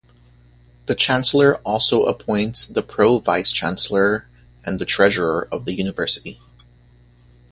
The chancellor also appoints the pro-vice-chancellor and the treasurer of the university.